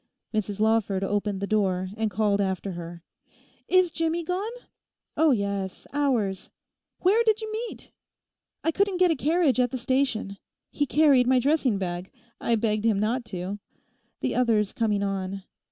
Mrs Lawford opened the door, and called after her, 'Is Jimmie gone?' 'Oh, yes, hours.' 'Where did you meet?' 'I couldn't get a carriage at the station. He carried my dressing bag; I begged him not to. The other's coming on.